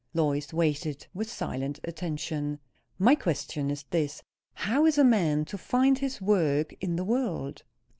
Lois waited, with silent attention. "My question is this: How is a man to find his work in the world?"